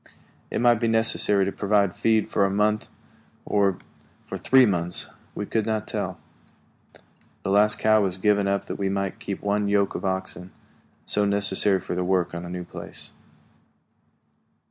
It might be necessary to provide feed for a month, or for three months; we could not tell. The last cow was given up that we might keep one yoke of oxen, so necessary for the work on a new place.